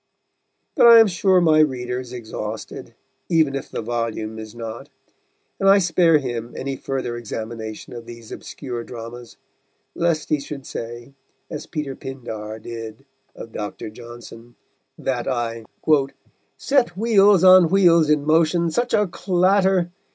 But I am sure my reader is exhausted, even if the volume is not, and I spare him any further examination of these obscure dramas, lest he should say, as Peter Pindar did of Dr. Johnson, that I _Set wheels on wheels in motion such a clatter!